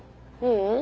ううん。